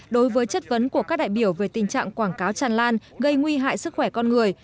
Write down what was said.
đối với chất vấn của các đại biểu về tình trạng quảng cáo tràn lan gây nguy hại sức khỏe con người